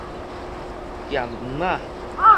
鹹梅仔